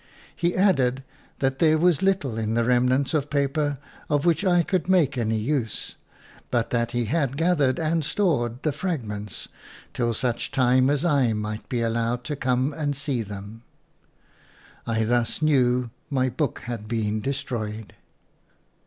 He added that there was little in the remnants of paper of which I could make any use, but that he had FOREWORD gathered and stored the fragments till such time as I might be allowed to come and see them. I thus knew my book had been destroyed.